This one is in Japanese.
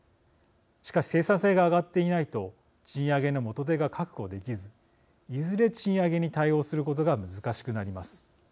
しかし生産性が上がっていないと賃上げの元手が確保できずいずれ賃上げに対応することが難しくなります。